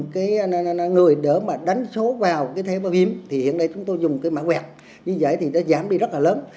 cho nên là người đỡ mà đánh số vào cái thế báo hiếm thì hiện nay chúng tôi dùng cái mã quẹt như vậy thì nó giảm đi rất là lớn